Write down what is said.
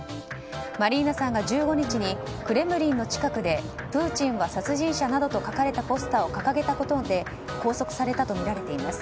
マリーナさんが１５日にクレムリンの近くでプーチンは殺人者などと書かれたポスターを掲げたことで拘束されたとみられています。